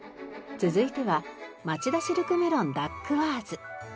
続いてはまちだシルクメロンダックワーズ。